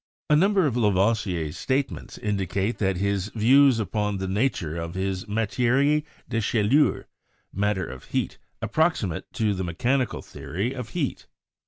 A number of Lavoisier's statements indicate that his views upon the nature of his "matiere de chaleur" (mat ter of heat) approximate to the Mechanical Theory of heat.